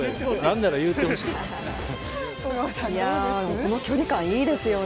この距離感、いいですよね。